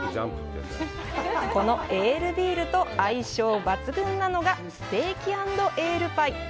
このエールビールと相性抜群なのが「ステーキ＆エールパイ」。